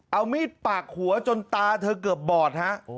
เอามีดปากหัวจนตาเธอเกือบบอดฮะ